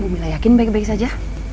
bu melda yakin baik baik saja